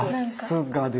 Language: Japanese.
さすがです。